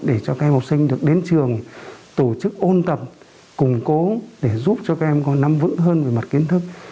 để cho các em học sinh được đến trường tổ chức ôn tập củng cố để giúp cho các em có nắm vững hơn về mặt kiến thức